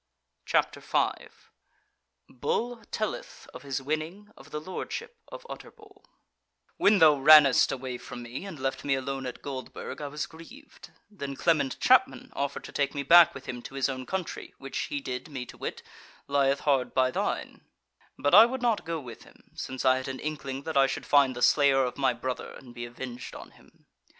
CHAPTER 5 Bull Telleth of His Winning of the Lordship of Utterbol "When thou rannest away from me, and left me alone at Goldburg, I was grieved; then Clement Chapman offered to take me back with him to his own country, which, he did me to wit, lieth hard by thine: but I would not go with him, since I had an inkling that I should find the slayer of my brother and be avenged on him.